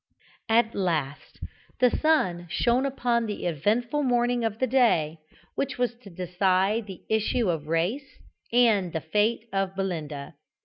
At last the sun shone upon the eventful morning of the day which was to decide the issue of the race and the fate of Belinda.